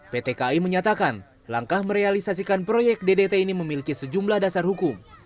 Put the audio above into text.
pt kai menyatakan langkah merealisasikan proyek ddt ini memiliki sejumlah dasar hukum